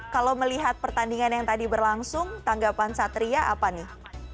kalau melihat pertandingan yang tadi berlangsung tanggapan satria apa nih